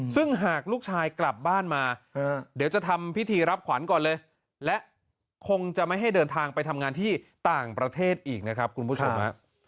ซึ่งหากลูกชายกลับบ้านมาเดี๋ยวจะทำพิธีรับขวัญก่อนเลยและคงจะไม่ให้เดินทางไปทำงานที่ต่างประเทศอีกนะครับคุณผู้ชมฮะ